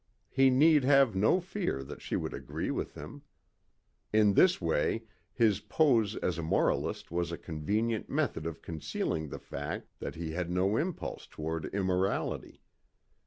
He need have no fear that she would agree with him. In this way his pose as a moralist was a convenient method of concealing the fact that he had no impulse toward immorality.